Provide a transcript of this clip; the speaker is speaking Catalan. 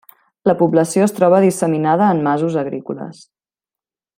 La població es troba disseminada en masos agrícoles.